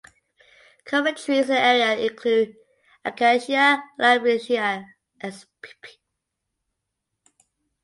Common trees in the area include "Acacia" and "Albizia" spp.